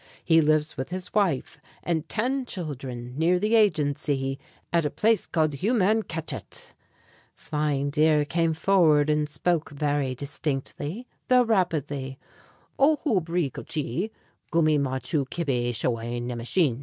He lives with his wife and ten children near the agency, at a place called Humanketchet." Flying Deer came forward and spoke very distinctly, though rapidly. "O hoo bree gutchee, gumme maw choo kibbe showain nemeshin.